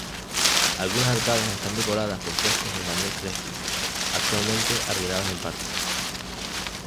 Algunas arcadas están decoradas por frescos de Daniele Crespi, actualmente arruinadas en parte.